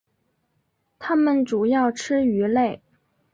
它们主要吃鱼类。